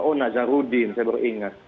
oh nazarudin saya baru ingat